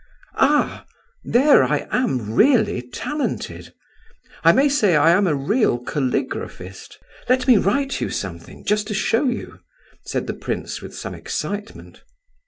"Ah, there I am really talented! I may say I am a real caligraphist. Let me write you something, just to show you," said the prince, with some excitement.